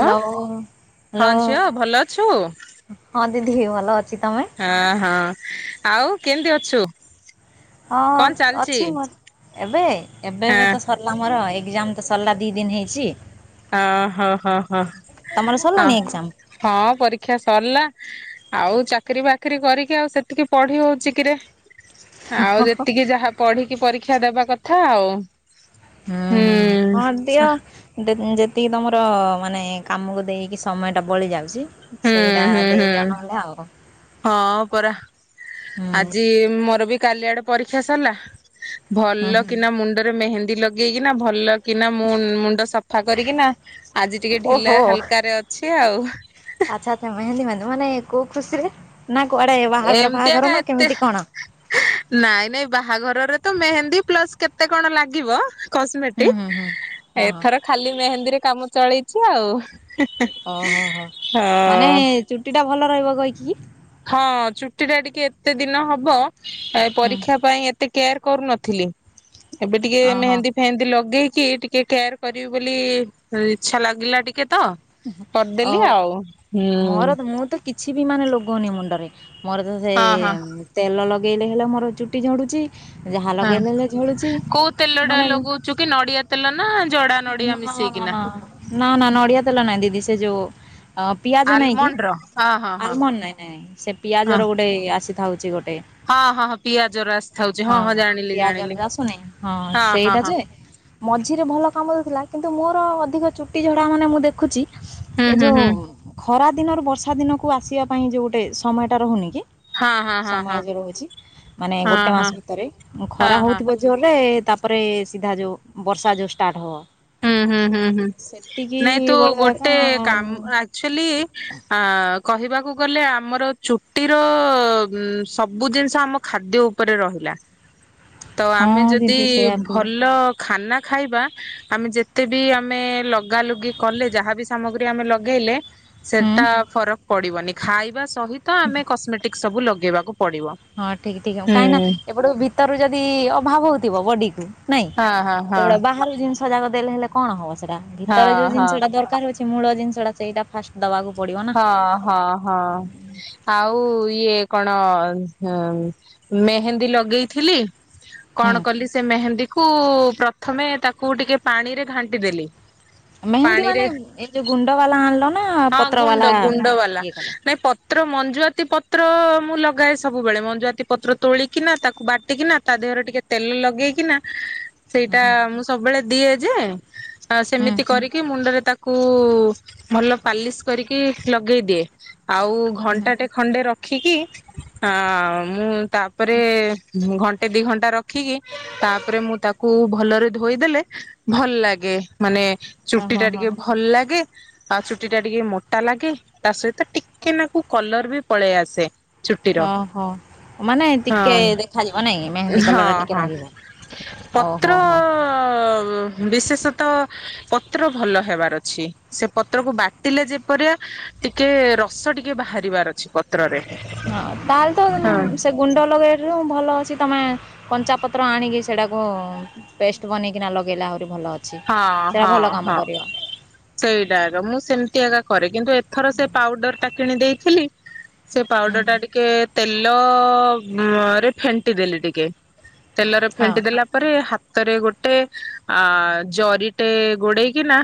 Hello ହଁ hello ଝିଅ ଭଲ ଅଛୁ ହଁ ଦିଦି ଭଲ ଅଛି ତମେ? ହଁ ହଁ ଆଉ କେମିତି ଅଛୁ? ହଁ କଣ ଚାଲିଛି ଅଛି ମୋର ଏବେ ଏବେ ଏବେ ହଁ ହୁଏତ ସର ଥିଲା ମୋର ଏକ୍ସାମ ତ ସରିଲା ଦି ଦିନ ହେଇଛି। ଅହୋ ହୋ ହୋ ତମର ଅ ସରିଲାଣି ଏକ୍ଜାମ? ହଁ ପରୀକ୍ଷା ସରିଲା। ଆଉ ଚାକିରୀ ବାକିରି କରିକି ଆଉ ସେତିକି ପଢି ହଉଛି କିରେ? ଆଉ ଯେତିକି ଯାହା ପଢିକି ପରୀକ୍ଷା ଦବା କଥା ଆଉ। ହୁଁ ହୁଁ ହଁ ଦିଅ। ଯେତିକି ତମର ମାନେ କାମକୁ ଦେଇକି ସମୟ ଟା ବଳି ଯାଉଛି। ହୁଁ ସେଇଟା ହୁଁ ହୁଁ ଦେଇଦିଅ ନହେଲେ ଆଉ ହଁ ପରା ହୁଁ ଆଜି ମୋର ବି କାଲି ଆଡେ ପରୀକ୍ଷା ସରିଲା। ହୁଁ ଭଲ ହୁଁ କିନା ମୁଣ୍ଡରେ ମେହେନ୍ଦୀ ଲଗେଇକିନା ଭଲ କିନା ମୁଁ ମୁଣ୍ଡ ସଫା କରିକିନା ଆଜି ଟିକେ ଢିଲ ଓହୋ ହାଲକାରେ ଅଛି ଆଉ। ଆଚ୍ଛା ଆଚ୍ଛା ତମେ ମେହେନ୍ଦି ମାନ ମାନେ କୋଉ ଖୁସିରେ ନା କୁଆଡେ ବାହାଘର ଏମିତିଆ କା ଫାହାଘର ନା ଏତେ କେମିତି କଣ? ନାଇଁ ନାଇଁ ବାହାଘରରେ ତ ମେହେନ୍ଦୀ ପ୍ଲସ କେତେ କଣ ଲାଗିବ ହୁଁ କସ୍ମେଟ ହୁଁ ହୁଁ ହଁ ହଁ ଏଥର ଖାଲି ମେହେନ୍ଦୀରେ କାମ ଚଳେଇଛି ଆଉ ହଁ। ଚୁଟିଟା ଭଲ ରହିବ କହିକି ହଁ ଚୁଟିଟା ଟିକେ ଏତେ ଦିନ ହବ ହୁଁ ପରୀକ୍ଷା ପାଇଁ ଏତେ କେୟାର କରୁନ ଥିଲି ଏବେ ଟିକେ ଓହୋ ମେହେନ୍ଦୀ ଏମିତି ଲଗେଇକି ଟିକେ କେୟାର କରିବି ବୋଲି ଇଚ୍ଛା ଲାଗିଲା ଟିକେ ତ କରିଦେଲି ଓହୋ ଆଉ ମୋର ହୁଁ। ମୁଁ ତ କିଛି ବି ମାନେ ଲଗଉନି ମୁଣ୍ଡରେ ମୋର ତ ସେ ହଁ ହଁ ତେଲ ଲଗେଇଲେ ହେଲେ ମୋର ଚୁଟି ଝଡୁଛି ଯାହା ହଁ ଲଗେଇଲେ ହେଲେ ଝଡୁଛି ମାନେ ଚୁ କି ନଡିଆ ତେଲ ନା ଜଡା ନଡିଆ ନା ନା ମିଶେଇକିନା। ନା ନା ନା ନଡ଼ିଆ ତେଲ ନାହିଁ ଦିଦି ସେ ଯୋଉ ପିଆଜ ନାହିଁ କି ଆଲମଣ୍ଡ ର ହଁ ହଁ ହଁ ଆଲମଣ୍ଡ ନାଇଁ ନାଇଁ ସେ ପିଆଜ ହଁ ର ଗୋଟେ ଆସିଥାଉଛି ଗୋଟେ ହଁ ହଁ ହଁ ପିଆଜର ଆସିଥାଉଛି ହଁ ହଁ ଜାଣିଲି ଜାଣିଲି। ପିଆଜଟା ଆସୁନି, ହଁ ହଁ ସେଇଟା ହଁ ଯେ ମଝିରେ ଭଲ କାମ ଦେଉଥିଲା, କିନ୍ତୁ ମୋର ଅଧିକ ଚୁଟି ଝଡା ମାନେ ମୁଁ ଦେଖୁଛି ହୁଁ ଏ ହୁଁ ଯୋଉ ହୁଁ ଖରା ଦିନରୁ ବର୍ଷା ଦିନକୁ ଆସିବା ପାଇଁ ଯୋଉ ଗୋଟେ ସମୟଟା ରହୁନି କି ହଁ ହଁ ହଁ ସମୟ ଯେ ରହୁଛି, ମାନେ ହଁ ଗୋଟେ ହଁ ହଁ ମାସ ଭିତରେ ହଁ ଖରା ହଁ। ହଉଥିବ ଜଲେ, ତାପରେ ସିଧା ଯୋଉ ବର୍ଷା ଯୋଉ ଷ୍ଟାର୍ଟ ହବ ହୁଁ ହୁଁ ହୁଁ ହୁଁ ସେତିକି ନାଇଁ ତୁ ଭଲ କଥା ଗୋଟେ ଆଉ କାମ ଆକ୍ଚୁଆଲି କହିବାକୁ ଗଲେ ଆମର ଚୁଟିର ସବୁ ଜିନିଷ ଆମ ଖାଦ୍ୟ ଉପରେ ରହିଲା। ତ ଆମେ ହଁ ଯଦି ଦିଦି ସେଇଆ ବି ଭଲ ଖାନା ଖାଇବା ଆମେ ଯେ ତେଵେ ଆମେ ଲଗା ଲଗି କଲେ, ଯାହାବି ସାମଗ୍ରୀ ଆମେ ଲଗେଇଲେ, ହୁଁ ସେଟା ଫରକ ପଡିବନି। ଖାଇବା ସହିତ ଆମେ କସ୍ମେଟିକ ସବୁ ଲଗେଇବାକୁ ପଡ଼ିବ। ହଁ ଠିକ୍ ଠିକ୍ ହବ। କାହିଁ ନା ଏପଟ ଭିତର ଯଦି ଅଭାବ ହଉଥିବ ବଡ଼ିକୁ ନାଇଁ ହଁ ହଁ ହଁ ବାହାରୁ ଜିନିଷ ଟା କ ଦେଲେ କଣ ହବ ସେଇଟା ହଁ ଭିତରୁ ଯୋଉ ହଁ। ଜିନିଷଟା ଦରକାର ହଉଛି ମୂଳ ଜିନିଷଟା ସେଇଟା ଫାଷ୍ଟ ଦବାକୁ ପଡ଼ିବ। ଅଁ ହଁ ହଁ ଆଉ ଇଏ କଣ ମେହେନ୍ଦି ଲଗେଇଥିଲି ହୁଁ କଣ କଲି ସେ ମେହେନ୍ଦୀକୁ ପ୍ରଥମେ ତାକୁ ଟିକେ ପାଣିରେ ଘାଣ୍ଟି ଦେଲି ମେହେନ୍ଦୀ ପାଣିରେ ମାନେ, ଏ ଯୋଉ ଗୁଣ୍ଡ ବାଲା ଆଣିଲ ନା ହଁ ପତ୍ର ଗୁଣ୍ଡ ବାଲା ଗୁଣ୍ଡ ବାଲା। ଇଏ କଲ ନାଇଁ ପ ପତ୍ର ମଞୁଆତି ପତ୍ର ମୁଁ ଲଗାଏ ସବୁବେଳେ। ମଞ୍ଜୁଆତି ପତ୍ର ତୋଳିକିନା, ତାକୁ ବାଟିକିନା ତା ଦେହରେ ଟିକେ ତେଲ ଲଗେଇକିନା ହୁଁ ସେଇଟା ହୁଁ ମୁଁ ସବୁବେଳେ ଦିଏ ଯେ, ଆ ସେମିତି ହୁଁ କରିକି ମୁଣ୍ଡରେ ତାକୁ କୁ ଭଲ ପାଲିସ କରିକି ଲଗେଇ ଦିଏ, ଆଉ ହୁଁ ହୁଁ ଘଣ୍ଟେଟେ ଖଣ୍ଡେ ରଖିକି, ଆ ମୁଁ ତାପରେ ଘଣ୍ଟେ ଦି ଘଣ୍ଟା ରଖ ଖିକି ତାପରେ ମୁଁ ତାକୁ ଭଲରେ ଧୋଇଦେଲେ, ଭଲ ଲାଗେ। ମାନେ ଓହୋ ଚୁଟିଟା ହୋ ଟିକେ ଭଲ ଲାଗେ। ଆଉ ଚୁ ଟିଟା ଟିକେ ମୋଟା ଲାଗେ, ତାସହିତ ଟିକିଏ ନାକୁ କଲର ବି ପଳେଇ ଆସେ। ଚୁଟିର ହଁ ହଁ ମାନେ ଟିକେ ହଁ ଦେଖାଯିବ ନାଇଁ ମେହେନ୍ଦୀ ହଁ କଲର ଟିକେ ହଁ ରହିବ। ଓହୋ ହୋ ଅ ବିଶେଷତଃ ପତ୍ର ଭଲ ହେବାର ଅଛି। ସେ ପତ୍ରକୁ ବା ଟିଲେ ଯେପରିଆ ଟିକେ ରସ ଟିକେ ବାହାରିବାର ଅଛି। ପ ତ୍ରରେ ହଁ ତାହେଲେ ତ ହଁ ସେ ଗୁଣ୍ଡ ଲଗାଇଠାରୁ ଭଲ ଅଛି। ତମେ କଞ୍ଚାପତ୍ର ଆଣିକି ସେଇଟାକୁ ପେଷ୍ଟ ବନେଇକିନା ଲଗେଇଲେ ଆହୁରି ଭଲ। ଅଛି। ହଁ ସେଇଟା ହଁ ଭଲ କାମ ହଁ କରିବ ସେଇଟା ର ମୁଁ ସେମିତି ଆଗ କରେ କିନ୍ତୁ ଏଥର ସେ ପାଉଡରଟା କିଣି ଦେଇଥିଲି ସେ ହୁଁ ପାଉଡରଟା ହୁଁ ଟିକେ ତେଲରେ ଫେଣ୍ଟି ଦେଲେ ଟିକେ ତେଲରେ ହଁ ଫେଣ୍ଟି ଦେଲା ପରେ, ହାତରେ ଗୋଟେ ଅ ଜରିଟେ ଗୋଡେଇକିନା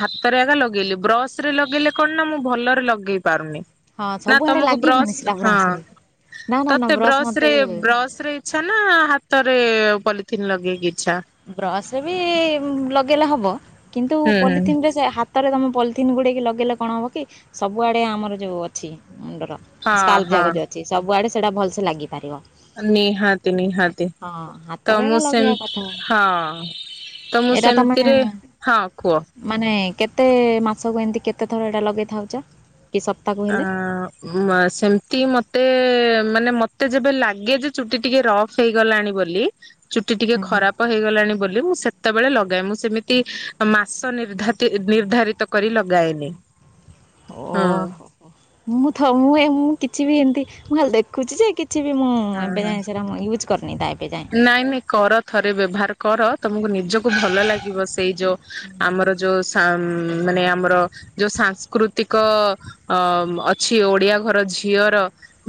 ହାତରେ ହେଟା ଲଗେଇଲି, ବ୍ରସରେ ଲଗେଇଲେ କଣନା ମୁଁ ଭଲରେ ଲଗେଇ ପାରୁନି। ହଁ ନା ସବୁଆଡେ ତମକୁ ବ୍ରସ ଲାଗିବନି ସେଟା ହଁ ବ୍ରସ ରେ ନା ନା ନା ତତେ ବ୍ରସ୍ ମତେ ବ୍ରସରେ ବ୍ରସରେ ଆଛାନା ହାତରେ ପଲିଥିନ ଲଗେଇକି ଇଛା ବ୍ରସରେ ବି ଲଗେଇଲେ ହବ। କିନ୍ତୁ ହୁଁ ହୁଁ ପଲିଥିିନରେ ସେ ହା ହାତରେ ତମେ ପଲିଥିନ୍ ଗୁଏଡେକ ଲଗେଇଲେ କଣ ହବ କି ସବୁଆଡେ ଆମର ଯୋଉ ଅଛି ମୁଣ୍ଡର ହଁ ସ୍କାଲପ ହଁ ଜାଗା ଯୋଉ ଅଛି ସବୁଆଡେ ସେଇଟା ଭଲସେ୍ ଲାଗିପାରିବ। ନିହାତି ନିହାତି ହଁ ତ ହାତରେ ଏକା ମୁଁ ସେମ୍ ଲଗେଇବା କଥା ହଁ ତ ମୁଁ ଏଇଟା ସେମିତି୍ ରେ ତମେ ହଁ କୁଅ ମାନେ କେତେ ମାସକୁ ଏମତି କେତେ ଥର ଏଟା ଲଗେଇ ଥାଉଚ କି ସ ଆଁ ମ ସେମତି ମତେ ମାନେ ମତେ ଯେବେ ଲାଗେ ଯେ ଚୁଟି ଟିକେ ରଫ୍ ହେଇଗଲାଣି ବୋଲି ଚୁଟି ଟିକେ ହୁଁ ହୁଁ ଖରାପ ହେଇଗଲଣି ବୋଲି ମୁଁ ସେତବେଳେ ଲଗାଏ ମୁଁ ସେମିତି ମାସ ନିର୍ଧାତି ନିର୍ଦ୍ଧାରି ତ କରି ଲଗା ଏନି। ଓହୋ ମୁଁ ଥ ମୁଁ ଏ ମୁଁ କିଛି ବି ଏନ୍ ତି ମୁଁ ଖାଲି ଦେଖୁଚି ଯେ କିଛି [inaudible] ବି ମୁଁ ହଁ ଏବେ ହଁ। ଯଏଁ ସେଇଟା ମୁଁ ୟୁଜ୍ କରୁନି ତା ଏବେ ଯାଏଁ। ନାଇଁ ନାଇଁ କର ଥରେ ବ୍ୟବହାର କର ତମକୁ ନିଜକୁ ଭଲ ଲାଗିବ ସେଇ ଯୋଉ ଆମର ଯୋଉ ଆଁ ମାନେ ଆମର ଯୋଉ ସାଂସ୍କୃତିକ ଅ ଅଛି ଓଡିଆ ଘର ଝିଅର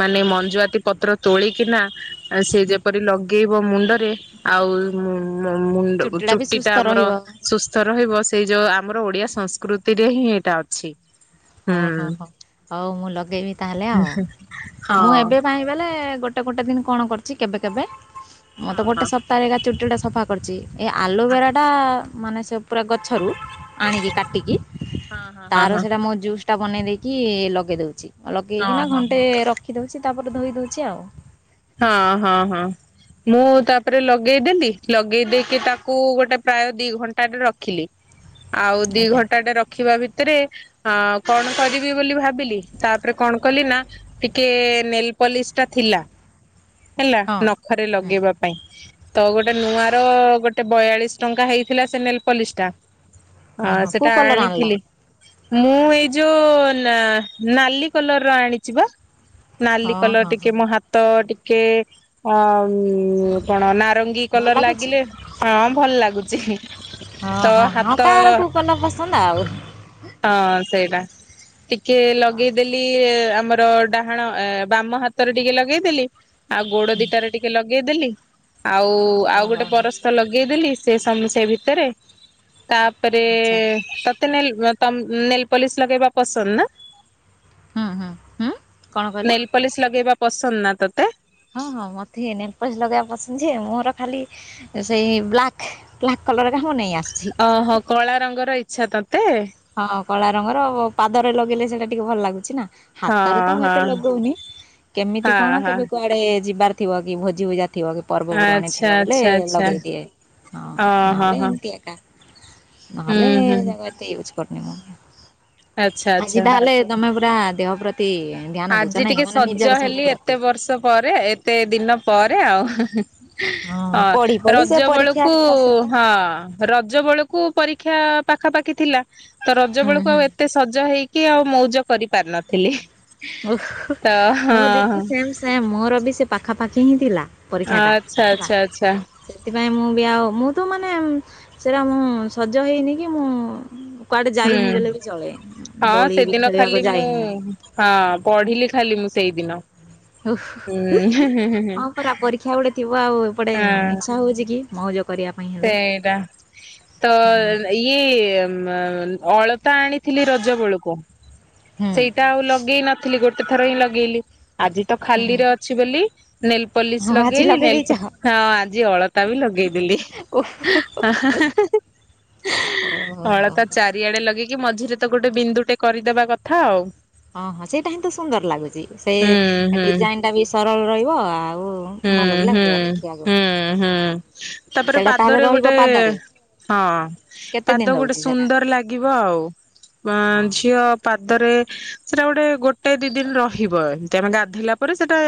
ମାନେ ମଞ୍ଜୁଆତି ପତ୍ର ତୋଳିକିନା ସେ ହୁଁ ଯେପରି ଲଗେଇବ ମୁଣ୍ଡରେ ଆଉ ମୋ ମୁଣ୍ଡକୁ ଚୁଟିଟା ବି ଚୁଟି ସୁସ୍ଥ ଟା ଆମର ରହିବ। ସୁସ୍ଥ ରହିବ ସେଇ ଯୋଉ ଆମର ଓଡିଆ ସଂସ୍କୃତିରେ ହିଁ ଏଇଟା ଅଛି। ହୁଁ ଓ ହୋ ହୋ ହଉ ମୁଁ ଲଗେଇବି ତାହେଲେ ଆଉ ହଁ ମୁଁ ଏବେ ବା ବଲେ ଗୋଟେ ଗୋଟେ ଦିନ କଣ କରିଚି କେବେ କେବେ ମୁତ ତ ହଁ ଗୋଟେ ସପ୍ତାହରେ ଚୁଟି ଗୁଡାକ ସଫା କରିଚି ଏ ଆଲୋଭେରା ଟା ମାନେ ସେ ପୁରା ଗଛରୁ ଆଣିକି କାଟିକି ହଁ ହଁ ହଁ ହଁ ତାର ହଁ ସେଇଟା ମୁଁ ଜୁସ୍ ଟା ବନେଇ ଦେଇକି ଲଗେଇ ଦଉଚି ଲଗେଇକିନା ହଁ ହଁ ହଁ। ଘଣ୍ଟେ ରଖି ଦଉଚି ତାପରେ ଧୋଇ ଦଉଚି ଆଉ। ହଁ ହଁ ହଁ। ମୁଁ ତାପରେ ଲଗେଇଦେଲି ଲଗେଇ ଦେଇକି ତାକୁ ଗୋଟେ ପ୍ରାୟ ଦି ଘଣ୍ଟରେ ରଖି ଲି ଆଉ ଦି ଆଜ୍ଞା ଘଣ୍ଟାଟେ ରଖିବା ଭି ତରେ ଅ କଣ କରିବି ବୋଲି ଭାବିଲି ତାପରେ କଣ କଲି ନା ଟିକେ ନେଲ୍ ପଲିସ୍ ଟା ଥିଲା ହେଲା ହଁ ନଖରେ ହଁ ଲଗେଇବା ପାଇଁ ତ ଗୋଟେ ନୂଆ ର ଗୋଟେ ବୟାଳିଶ୍ ଟଙ୍କା ହେଇଥିଲା ସେ ନେଲ୍ ପଲିସ୍ ଟା ହଁ ହଁ କୋଉ ସେଟା କଲର ଆଣିଲ ଆଣିଥିଲି ମୁଁ ଏଇ ଯୋଉ ନା ନାଲି କଲର୍ ର ଆଣିଚି ବା ନାଲି ହଁ କଲର୍ ହଁ ଟିକେ ହଁ ମୋ ହାତ ଟିକେ ଅ କଣ ନାର ଙ୍ଗି ଭଲ କଲର୍ ଲାଗୁଛି ଲାଗିଲେ ହଁ ଭଲ ଲାଗୁଚି। ହଁ ହଁ ହଁ କାଆର କୋଉ କଲର୍ ପସନ୍ଦ ଆଉ। ହଁ ସେଇଟା ଟିକେ ହଁ ଲଗେଇଦେ ଲି ଆମର ଡାହାଣ ଏ ବାମ ହାତରେ ଟିକେ ଲଗେଇଦେଲି ଆଉ ଗୋଡ ଦିଟାରେ ଟିକେ ଲଗେଇଦେଲି ଆଉ ହଁ ଆଉ ଗୋଟେ ହଁ ପରସ୍ତ ଲଗେଇଦେଲି ସେ ସମସ୍ୟା [inaudible] ଭିତରେ ତାପରେ ଆଚ୍ଛା ତେେ [inaudible] ନେଲ୍ ପଲିସ୍ ଲଗେଇବା ପସନ୍ଦ ନା? ହୁଁ ହୁଁ ହୁଁ କଣ କହିଲ ନେଲ୍ ପଲିସ୍ ଲଗେଇବା ପସନ୍ଦ ନା ତ ହଁ ହଁ ମଥେ ନେଲ୍ ପଲିସ୍ ଲଗେଇବା ପସନ୍ଦ ଯେ ମୋର ଖାଲି ସେଇ ବ୍ଲାକ୍ ବ୍ଲାକ୍ କଲର୍ ରାକ ମୁଁ ନେଇ ଆସୁଛି। ଓହୋ କଳା ରଙ୍ଗର ଇଚ୍ଛା ତତେ? ହଁ କଳା ରଙ୍ଗର ପାଦରେ ଲଗେଇଲେ ସେଇଟା ଟିକେ ଭଲ ଲାଗୁଛି ନା। ହାତରେ ହଁ ତ ମୁଁ ଏତେ ହଁ ଲଗଉନି କେମିତି ହଁ କଣ ହଁ କେବେ କୁଆଡେ। ଡେ ଯିବାର ଥିବ କି ଭୋଜି ଭୁଜା ଥିବ କି। ପର୍ବ ପର୍ବାଣୀ ଥିବ ଆଚ୍ଛା ବଲେ ଆଚ୍ଛା ଆଚ୍ଛା ଲଗେଇଦିଏ ହଁ ଅ ହଁ ନହେଲେ ହଁ ଏମିତି ଏକା। ହୁଁ ନହେଲେ ହୁଁ ଏରାକ ଏତେ ୟୁଜ କରିନି ମୁଁ। ଆଚ୍ଛା ଆଚ୍ଛା। ତମେ ପୁରା ଦେହ ପ୍ରତି। ଧ୍ୟାନ ଦଉଛ ଆଜି ନାଇଁ ଟିକେ ମାନେ ନିଜର ସଜ ସବୁ ହେଲି ପ୍ରତି। ଏତେ ବର୍ଷ ପରେ ଏତେ ଦିନ ପରେ ଆଉ। ପଢି ହଁ ପଢି ସେ ରଜ ପରୀକ୍ଷା ବେଳକୁ ଏତା ସେତା ହଁ। ରଜ ବେଳକୁ ପରୀକ୍ଷା ପାଖାପାଖି ଥିଲା ତ ରଜ ହୁଁ ବେଳକୁ ହୁଁ ଆଉ ଏ ଏତେ ସଜ ହେଇକି ଆଉ ମଉଜ କରି ପାରି ନଥିଲି। ହଁ ଦିଦି ସେମ ସେମ୍ ମୋର ବି ସେ ପାଖାପାଖି ହିଁ ଥିଲା। ପରୀକ୍ଷାଟା ଆଚ୍ଛା ହେଲା। ଆଚ୍ଛା ଆଚ୍ଛା। ସେଥିପାଇଁ ମୁଁ ବି ଆଉ ମୁଁ ତ ମାନେ ସେରା ମୁଁ ସଜ ହେଇନି କି ମୁଁ। କୁଆଡେ ହୁଁ ଯାଇନି ବେଲେ ବି ଚଳେ ହଁ ଦୋଳି ବି ସେଦିନ ଖାଲି ଖେଳିବାକୁ ମୁଁ ଯାଇନି। ହଁ ପଢିଲି ଖାଲି ମୁଁ ସେଇଦିନ ହୁଁ ହୁଁ ହୁଁ ହୁଁ ହୁଁ। ପରିକ୍ଷା ଗୋଟେ ଥିବ ଆଉ ଏପଟେ ହଁ। ଇଚ୍ଛା ହେଉଛି କି ମଉଜ କରିବା। ପାଇଁ ହେଲେ। ସେଇଟା। ତ ହୁଁ ଇଏ ଉଁ ମା୍ ଅଳତା ଆଣିଥିଲି ରଜ ବେଳକୁ। ହୁଁ ସେଇଟା ଆଉ ଲଗେଇ ନଥିଲି ଗୋଟେ ଥର ହିଁ ଲଗେଇଲି ଆଜି ତ ହୁଁ ଖାଲି ହୁଁ ରେ ଅ ଅଛି ବୋଲି ନେଲ ହଁ ପଲିସ ଆଜି ଲଗେଇ ଦେଇଛ ନେଲ ହଁ ଆଜି ଅଳତା ବି ଲଗେଇଦେଲି। ଓହୋ। ଅଳତା ଚା ଦି ଆଡେ ଲଗେଇକି ମଝିରେ ତ ଗୋଟେ ବିନ୍ଦୁ ଟେ କରିଦବା କଥା ଆଉ। ହଁ ହଁ ସେଇଟା ହିଁ ତ ସୁନ୍ଦର ଲାଗୁଛି ହୁଁ ସେଇ ହୁଁ। ଡିଜାଇନ ଟା ବି ସରଳ ରହିବ ଆଉ। ହୁଁ ଭଲ ବି ହୁଁ ଲାଗିବ ଦେଖିବାକୁ। ହୁଁ ହୁଁ ତାପରେ ସେଇଟା ତାହେଲେ ପାଦରେ ରହିବ ଗୋଟେ। ପାଦରେ ହଁ କେତେ ପାଦ ଦିନ ଗୋଟେ ରହୁଛି ସେଟା ସୁନ୍ଦର ଲାଗିବ ଆଉ ଅଁ ହଁ। ଝିଅ। ପାଦରେ ସେଟା ଗୋଟେ ଗୋଟାଏ ଦି ଦିନ ରହିବ ଏମତି ଆମେ ଗାଧୋଇଲା ପରେ ସେଟା।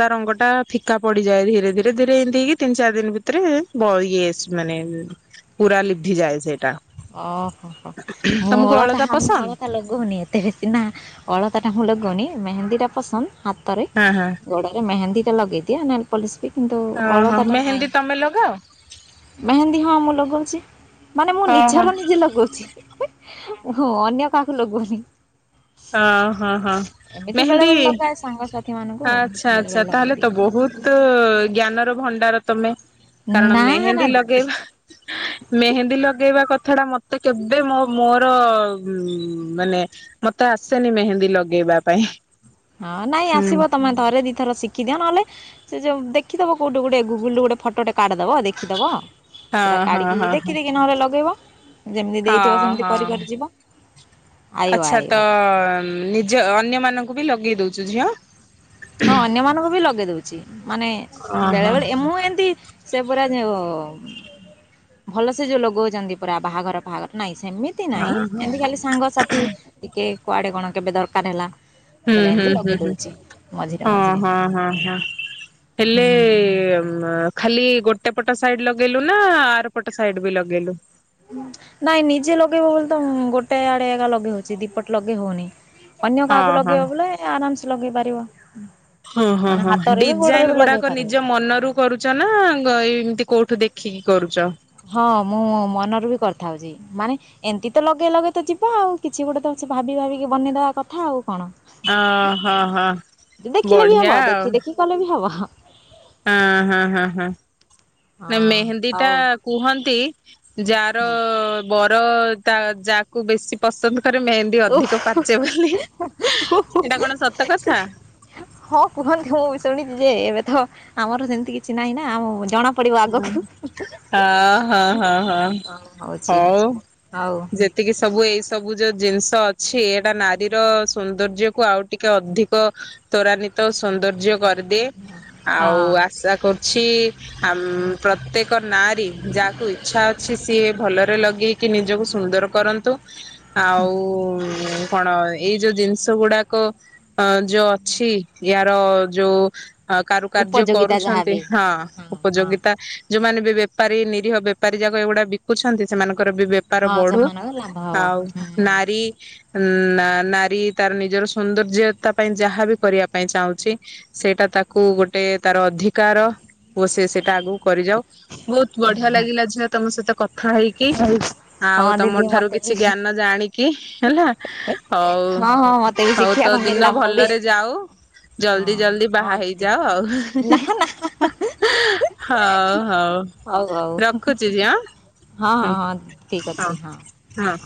ତା ରଙ୍ଗ ଟା। ଫିକା ପଡିଯାଏ ଧୀରେ ଧୀରେ ଧୀରେ ଏମିତି ହେଇକି ତିନି ଚାରି ଦିନ ଭିତରେ ବ ଇଏ ସ୍ ମାନେ ଉଁ ପୁରା ଲିଭି ଯାଏ ସେଇଟା। ଓ ହ ହ ମୁଁ ତମକୁ ଅଳତା ହ ମୁଁ ପସନ୍ଦ ଅଳତା ଲଗଉନି ଏତେ। ତେହେ ତିନା ଅଳତା ଟା ମୁଁ ଲଗାଉନି ମେହେନ୍ଦୀ ଟା ପସନ୍ଦ ହାତରେ। ହଁ ହଁ। ଗୋଡରେ ମେହେନ୍ଦୀ ଟା ଲଗେଇଦିଏ ନେନପଲିସ ବି କିନ୍ତୁ ଓହୋ ଅଳତା ଟା ନାହିଁ। ମେହେନ୍ଦୀ ତମେ ଲଗାଅ ମେହେନ୍ଦୀ ହଁ ମୁଁ ଲଗଉଛି ମାନେ ମୁଁ ଓହୋ ହଁ ନିଜର ନିଜେ ଲଗଉଛି। ହଁ ଅନ୍ୟ କାହାକୁ ଲଗଉନି। ଆଁ ହଁ ହଁ ଏମିତି ବେଳେ ମେହେନ୍ଦୀ ବେଳେ ଲଗାଏ ସାଙ୍ଗସାଥି ମାନଙ୍କୁ ଆଉ ଆଚ୍ଛା ବେଳେ ଆଚ୍ଛା ବେଳେ ତାହେଲେ ଲଗେଇଦିଏ ତ ବହୁତ ତ ଜ୍ଞାନର ଭଣ୍ଡାର ତମେ କାରଣ ନା ନା ମେହେନ୍ଦୀ ଦିଦି ଲଗେଇବା। ମେହେନ୍ଦୀ ଲଗେଇବା କଥା ଟା ମତେ କେବେ ମୋ ମୋର ମାନେ। ମତେ ଆସେନି ମେହେନ୍ଦୀ ଲଗେଇବା ପାଇଁ। ହଁ ନାଇଁ ହୁଁ ଆସିବ ତମେ ଥରେ ଦିଥର ଶିଖି ଦିଅ ନହେଲେ। ସେ ଯୋଉ ଦେଖିଦବ କୋଉଠୁ ଗୋଟେ ଗୁଗୁଲୁ ରୁ ଗୋଟେ ଫଟୋ ଟେ କାଢିଦବ ଦେଖିଦବ। ସେଟା ହଁ ହଁ କାଢିକି ହଁ ହଁ। ଦେଖି ଦେଇକି ନହେଲେ ଲଗେଇବ। ଯେମିତି ଦେଇଥିବ ହଁ ସେମିତି ହଁ କରି କରି ଯିବ ଆଇବ ଆଇବ। [unintelligible] ନିଜେ ଅନ୍ୟ ମାନ୍ୟଙ୍କୁ ବି ଲଗେଇ ଦଉଛୁ ଝିଅ। ହଁ ଅନ୍ୟମାନଙ୍କୁ ବି ଲଗେଇ ଦଉଛି ମାନେ ବେଳେ ଓହୋ ବେଳେ ମୁଁ ଏମତି ସେ ପୁରା ଯେଉଁ ଭଲ ସେ ଯୋଉ ଲଗଉଛନ୍ତି ପୁରା ବାହାଘର ଫାହାଘର ନାହିଁ ସେମିତି ଏମିତି ହଁ ନାହିଁ ହଁ ଏମିତି ଖାଲି ସାଙ୍ଗସାଥି ଟିକେ କୁଆଡ଼େ କଣ କେବେ ଦରକାର ହେଲା। ହୁଁ ବେଲେ ହୁଁ ଏମିତି ହୁଁ ଲଗେଇ ହୁଁ ଦଉଛି ମଝିରେ ହଁ ମଝିରେ ହଁ ହଁ ହଁ ହେଲେ। ହୁଁ। ଖାଲି ଗୋଟେ ପଟ ସାଇଡ୍ ଲଗେଇଲୁ ନା ଆର ପଟ ସାଇଡ୍ ବି ଲଗେଇଲୁ? ନାଇଁ ନିଜେ ଲଗେଇବୁ ବୋଲି ତ ଗୋଟେ ଆଡେ ଆଗା ଲଗେଇ ହଉଛି ଦି ପଟେ ଲଗେଇ ହଉନି। ଅନ୍ୟ ହଁ କାହାକୁ ହଁ ଲଗେଇବ ବୋଲେ ଆରାମ୍ ସେ ଲଗେଇ ପାରିବ। ହଁ ହଁ ମାନେ ହଁ ହାତରେ ବି ଗୋଡରେ ଡିଜାଇନ ବି ଲଗେଇ ଗୁଡାକ ପାରିବ। ନିଜ ମନରୁ କରୁଛ ନା ଏମିତି କୋଉଠୁ ଦେଖିକି କରୁଛ? ହଁ ମୁଁ ମନରୁ ବି କରିଥାଉଛି ମାନେ ଏମିତି ତ ଲଗେଇ ଲଗେଇ ତ ଯିବା ଆଉ କିଛି ଗୋଟେ ତ ସେ ଭାବି ଭାବିକି ବନେଇଦବା କଥା ଆଉ କଣ। ଓହଁ ହଁ ବଢିଆ ଆଉ। ହେବ ହଁ ହଁ ହଁ ହଁ ନା ମେହେନ୍ଦୀ ଟା ହଉ। କୁହନ୍ତି ଯା ର ବର ତା ଯାକୁ ବେଶୀ ପସନ୍ଦ କରେ ମେହେନ୍ଦୀ ଓଃ ଅଧିକ ପାଚେ ବୋଲି ଏଇଟା କଣ ସତ କଥା? ହଁ କୁହନ୍ତି ମୁଁ ବି ଶୁଣିଛି ଯେ ଏବେ ତ ଆମର ସେମିତି କିଛି ନାହିଁ ନା ଆମ ଜଣ ହଁ ହଁ ହଁ ହଁ କଣ ହଉଛି ହଉ ହଉ ଯେ ଏତକି ସବୁ ଏଇ ସବୁ ଯୋଉ ଜିନିଷ ଅଛି ଏଇଟା ନାରୀର ସୌନ୍ଦର୍ଯ୍ୟ କୁ ଆଉ ଟିକେ ଅଧିକ ତ୍ୱରାନ୍ୱିତ ସୌନ୍ଦର୍ଯ୍ୟ କ ଦିଏ ହଁ। ଆଉ ଆଶା କରୁଛି ଆମ ପ୍ରତେକ୍ ପ୍ରତ୍ୟେକ ନାରୀ ଯାହାକୁ ଇଛା ଅଛି ସିଏ ଭଲରେ ଲଗେଇକି ନିଜକୁ ସୁନ୍ଦର କରନ୍ତୁ। ଆଉ କଣ ଏଇ ଯୋଉ ଜିନିଷ ଗୁଡାକ ଅ ଯୋଉ ଅଛି ଇୟାର ଯୋଉ ଅ କାରୁକାର୍ଯ୍ୟ ଉପଯୋଗିତା କରୁଛନ୍ତି ଯାହାବି ହଁ ଉପଯୋଗିତା ଯୋଉଁମାନେ ବି ବେପାରୀ ନିରୀହ ବେପାରୀ ଯାକ ଏଗୁଡା ବିକୁଛନ୍ତି ସେମାନଙ୍କର ବିବେକ ବେପାର ହଁ ବଢୁ ସେମାନଙ୍କ ଲାଭ ହବ ଆଉ ହୁଁ। ନାରୀ ଉ ନାରୀ ତାର ନିଜର ସୌନ୍ଦର୍ଯ୍ୟତା ପାଇଁ ଯାହା ବି କରିବା ପାଇଁ ଚାହୁଁଛି ସେଇଟା ତାକୁ ଗୋଟେ ତାର ଅଧିକାର। ଓ ସେ ସେଇଟା ଆଗକୁ କରି ଯାଉ ବହୁତ ବଢିଆ ଲାଗିଲା ଝିଅ ତମ ସହିତ କଥା ହେଇକି। ହଉ ଆଉ ହଁ ତମ ଦିଦି ଠାରୁ ମତେ କିଛି ବି ଜ୍ଞାନ ଜାଣିକି ହେଲା ହଉ ହଁ ହଁ ମତେ। ଏତେ ବି ହଉ ତୋ ଶିଖିବାକୁ ମିଳିଲା ଦିନ ମୁଁ ବି ଭଲରେ ଯାଉ ହଁ ଜଲଦି ଜଲଦି ହଁ ବାହା ଦିଦି ହେଇଯାଅ ଆଉ ନାଁ ନାଁ ହଉ ହଉ ହଉ ହଉ ରଖୁଛି ଝିଅ। ହଁ ହୁଁ ହଁ ହଁ ଠିକ ହଁ ଅଛି ହଁ